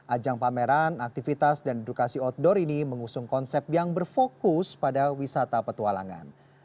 ajang pameran aktivitas dan edukasi outdoor ini mengusung konsep yang berfokus pada wisata petualangan